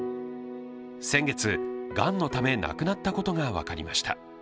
先月、がんのため亡くなったことが分かりました。